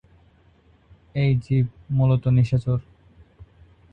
এই জীব মুলত নিশাচর।